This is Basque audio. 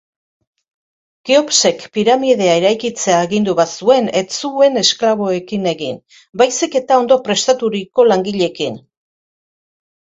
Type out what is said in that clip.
Keopsek piramidea eraikitzea agindu bazuen, ez zuen esklaboekin egin, baizik eta ondo prestaturiko langileekin.